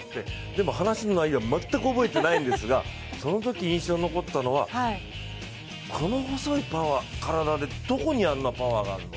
でも話の内容は全く覚えてないんですがそのとき印象に残ったのは、この細い体でどこにあんなパワーがあんの？